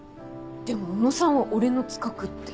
でも小野さんは「俺の企画」って。